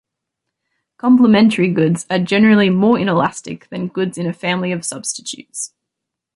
Complementary goods are generally more inelastic than goods in a family of substitutes.